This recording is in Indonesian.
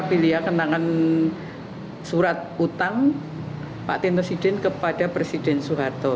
beliau kenangan surat utang pak tino sidin kepada presiden soeharto